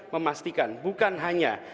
memastikan bukan hanya